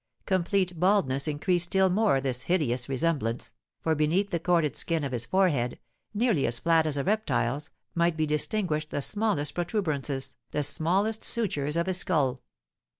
Complete baldness increased still more this hideous resemblance, for beneath the corded skin of his forehead, nearly as flat as a reptile's, might be distinguished the smallest protuberances, the smallest sutures of his skull.